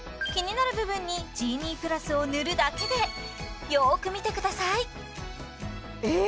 気になる部分にジーニープラスを塗るだけでよーく見てくださいえ！